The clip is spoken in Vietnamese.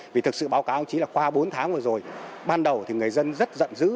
vì thực sự báo cáo chí là qua bốn tháng vừa rồi ban đầu thì người dân rất giận dữ